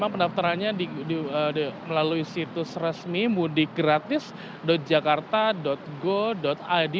pendaftarannya melalui situs resmi mudikgratis jakarta go id